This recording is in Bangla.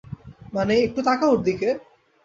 মানে, একটু তাকাও ওর দিকে।